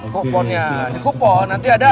kuponnya di kupon nanti ada